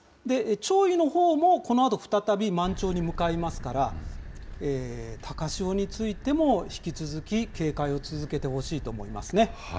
潮位のほうもこのあと再び満潮に向かいますから、高潮についても、引き続き警戒を続けてほしいと思いますね。